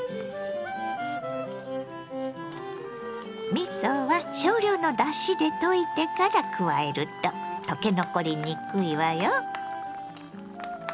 みそは少量のだしで溶いてから加えると溶け残りにくいわよ。